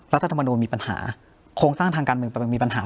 รัฐธรรมนูลมีปัญหาโครงสร้างทางการเมืองมีปัญหา